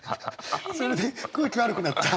それで空気悪くなった？